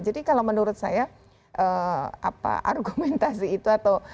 jadi kalau menurut saya apa argumentasi itu atau